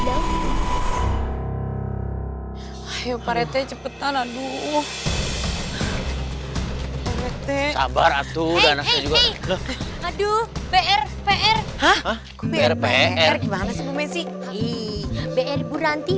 ayo parete cepetan aduh teh sabar atuh dan saya juga aduh br br br br berarti